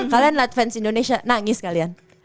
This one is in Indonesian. kalian lihat fans indonesia nangis kalian